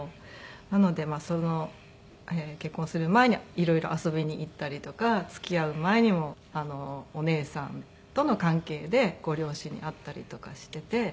なので結婚する前に色々遊びに行ったりとか付き合う前にもお姉さんとの関係でご両親に会ったりとかしていて。